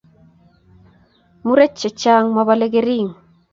Murchechang mobole kering